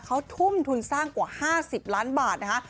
เขาทุ่มทุนสร้างกว่า๕๐ล้านบาทนะคะ